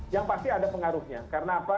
yang pasti ada pengaruhnya karena apa